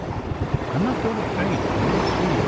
"I m not going to faint. I must see!